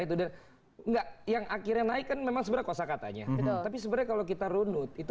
itu dan enggak yang akhirnya naik kan memang sebenarnya kosa katanya tapi sebenarnya kalau kita runut itu